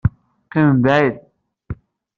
Qqim mebɛid.